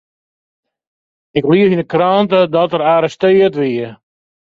Ik lies yn 'e krante dat er arrestearre wie.